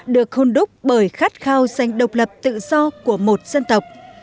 được hôn đúc bởi khát khao danh độc lập tự do của một dân tộc